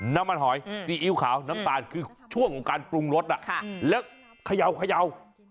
น้ำมันหอยซีอิ๊วขาวน้ำตาลคือช่วงของการปรุงรสแล้วเขย่า